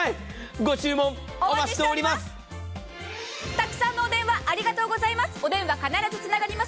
ご注文、お待ちしております。